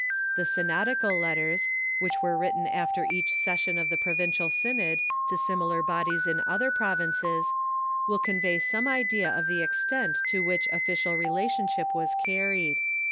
The synodical letters, which Avere written after each session of the provincial synod to similar bodies in other provinces, will convey some idea of the extent to which official relationship was carried.